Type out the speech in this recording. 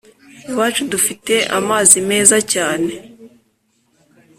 iwacu dufite amazi meza cyane